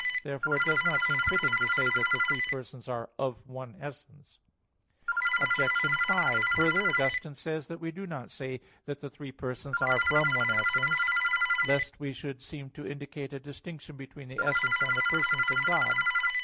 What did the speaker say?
Therefore it does not seem fitting to say that the three persons are of one essence. Obj. 5: Further, Augustine says (De Trin. vii, 6) that we do not say that the three persons are "from one essence [ex una essentia]," lest we should seem to indicate a distinction between the essence and the persons in God.